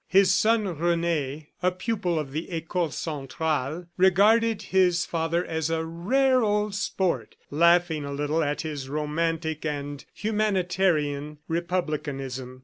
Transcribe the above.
His son Rene, a pupil of the Ecole Centrale regarded his father as "a rare old sport," laughing a little at his romantic and humanitarian republicanism.